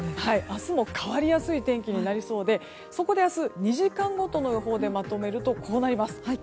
明日も変わりやすい天気になりそうでそこで明日、２時間ごとの予報でまとめるとこうなります。